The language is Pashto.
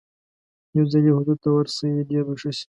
یو ځل یې حضور ته ورشئ ډېر به ښه شي.